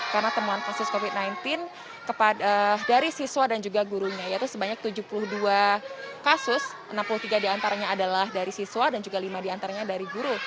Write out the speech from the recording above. karena temuan pasus covid sembilan belas dari siswa dan juga gurunya yaitu sebanyak tujuh puluh dua kasus enam puluh tiga diantaranya adalah dari siswa dan juga lima diantaranya dari guru